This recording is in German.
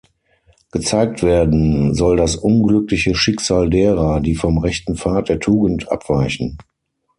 Gezeigt werden soll das unglückliche Schicksal derer, die vom rechten Pfad der Tugend abweichen.